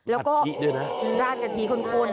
แล้วก็ด้านกะทิคุ้น